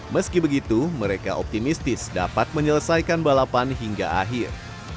meski begitu mereka optimistis dapat menyelesaikan balapan hingga akhir